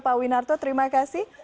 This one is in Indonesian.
pak winarto terima kasih